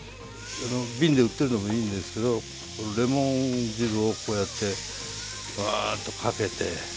瓶で売ってるのもいいんですけどレモン汁をこうやってワーッとかけて。